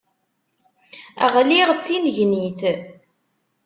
Ɣliɣ d tinnegnit.